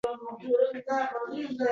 Orif yanglig’ yuragi.